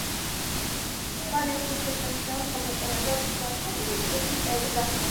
მან ეს იშვიათი შანსი შესანიშნავად გამოიყენა და მალმსტინის ჯგუფის წევრი გახდა.